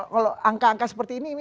kalau angka angka seperti ini